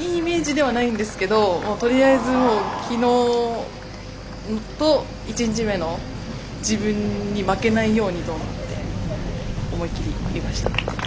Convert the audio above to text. いいイメージではないんですけどとりあえず、きのうと１日目の自分に負けないようにと思って思い切り、振りました。